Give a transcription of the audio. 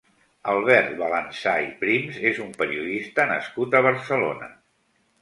Albert Balanzà i Prims és un periodista nascut a Barcelona.